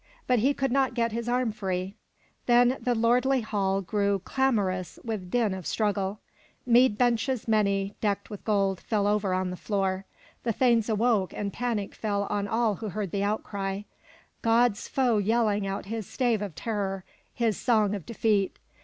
But he could not get his arm free. Then the lordly hall grew clamorous with din of struggle. Mead benches many, decked with gold, fell over on the floor. The thanes awoke and panic fell on all who heard the outcry, — God's foe yelling out his stave of terror, his song of defeat.